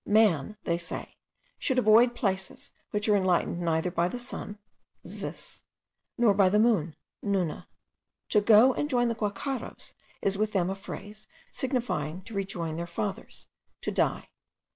"Man," say they, "should avoid places which are enlightened neither by the sun (zis), nor by the moon (nuna)." 'To go and join the guacharos,' is with them a phrase signifying to rejoin their fathers, to die.